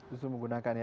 justru menggunakan ya